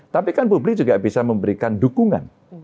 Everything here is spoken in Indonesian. tapi kan publik juga bisa memberikan dukungan